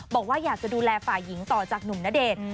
บอกว่าอยากจะดูแลฝ่ายหญิงต่อจากหนุ่มณเดชน์